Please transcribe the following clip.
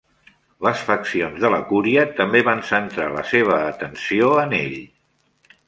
Les faccions de la Cúria també van centrar la seva atenció en ell.